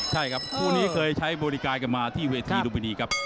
ใช่ครับคู่นี้เคยใช้บริการกันมาที่เวทีลุมินีครับ